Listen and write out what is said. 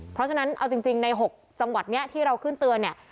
เพราะฉะนั้นเอาจริงใน๖จังหวัดนี้ที่เราขึ้นเตือนเนี่ย